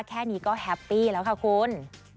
แค่นี้ก็แฮปปี้แล้วค่ะคุณ